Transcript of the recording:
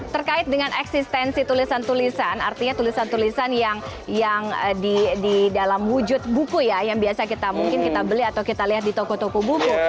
terkait dengan eksistensi tulisan tulisan artinya tulisan tulisan yang di dalam wujud buku ya yang biasa kita mungkin kita beli atau kita lihat di toko toko buku